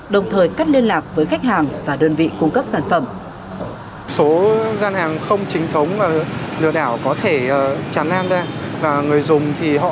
đồng thời cắt liên lạc với khách hàng và đơn vị cung cấp sản phẩm